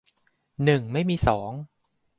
หนึ่งไม่มีสอง